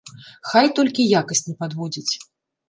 Хай толькі якасць не падводзіць!